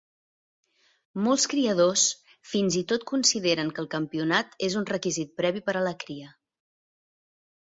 Molts criadors fins i tot consideren que el campionat és un requisit previ per a la cria.